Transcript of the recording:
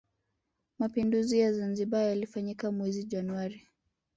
mapinduzi ya zanzibar yalifanyika mwezi januari